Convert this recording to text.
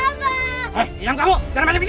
eh hilang kamu jangan pada bincang